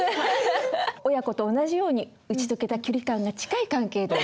親子と同じように打ち解けた距離感が近い関係。